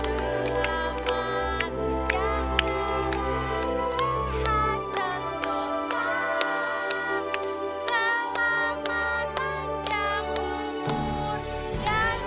selamat sejak kembali sehat satu saat